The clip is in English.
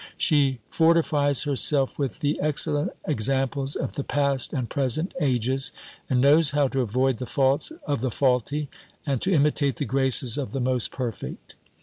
She fortifies herself with the excellent examples of the past and present ages, and knows how to avoid the faults of the faulty, and to imitate the graces of the most perfect.